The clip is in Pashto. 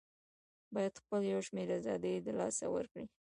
بايد خپل يو شمېر آزادۍ د لاسه ورکړي